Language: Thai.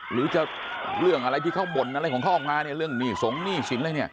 หรือจะเรื่องอะไรที่เขาบ่นอะไรของเขาออกมาเนี่ยเรื่องหนี้สงหนี้สินอะไรเนี่ย